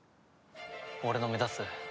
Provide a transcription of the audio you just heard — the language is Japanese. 俺の目指す